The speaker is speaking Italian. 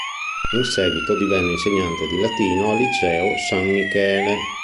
In seguito divenne insegnante di latino al liceo "San Michele".